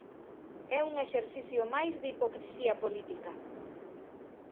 É un exercicio máis de hipocrisía política.